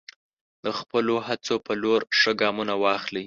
د خپلو هڅو په لور ښه ګامونه واخلئ.